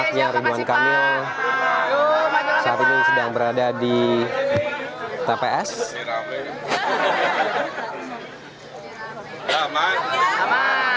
berpasangan dengan uu rizalul ulum